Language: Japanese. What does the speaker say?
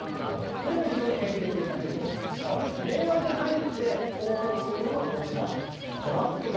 これが非常に典型的な手口なんですが令和に入って横行しているのがトラップ型。